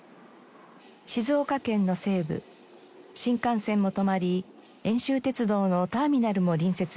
静岡県の西部新幹線も止まり遠州鉄道のターミナルも隣接しています。